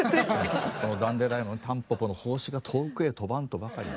この「ダンデライオン」たんぽぽの胞子が遠くへ飛ばんとばかりに。